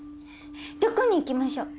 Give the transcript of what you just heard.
どこに行きましょう？